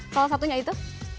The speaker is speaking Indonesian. salah satunya itu